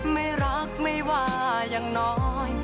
ไม่รักไม่ว่าอย่างน้อย